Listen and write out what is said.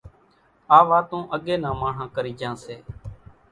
آ واتون اڳيَ نان ماڻۿان ڪرِي جھان سي۔